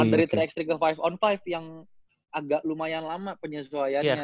dari tiga x tiga ke lima on lima yang agak lumayan lama penyesuaiannya